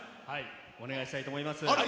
お願いしたいと思います。